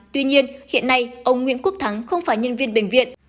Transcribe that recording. tuy nhiên hiện nay ông nguyễn quốc thắng không phải nhân viên bệnh viện